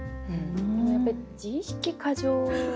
でもやっぱり自意識過剰ですよね。